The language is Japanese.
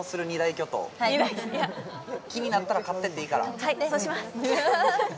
俺達ははいそうします